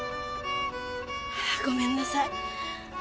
ああごめんなさい。